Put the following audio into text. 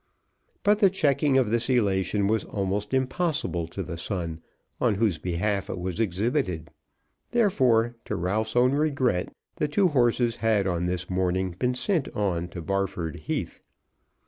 But the checking of this elation was almost impossible to the son on whose behalf it was exhibited. Therefore, to Ralph's own regret, the two horses had on this morning been sent on to Barford Heath.